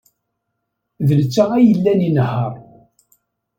D netta ay yellan inehheṛ.